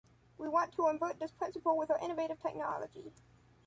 We want to invert this principle with our innovative technology.